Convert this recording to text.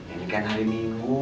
ini kan hari minggu